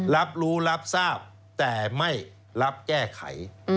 รับรู้รับทราบแต่ไม่รับแก้ไข